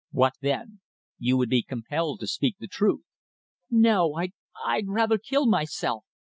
What then? You would be compelled to speak the truth." "No. I I'd rather kill myself!"